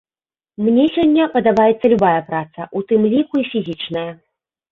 Мне сёння падабаецца любая праца, у тым ліку і фізічная.